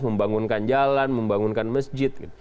membangunkan jalan membangunkan masjid